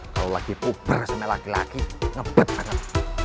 kalau lagi puber sama laki laki ngebet banget